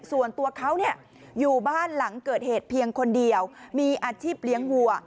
ส่วนตัวเขาอยู่บ้านหลังเกิดเหตุเพียงคนเดียวมีอาชีพเลี้ยงวัว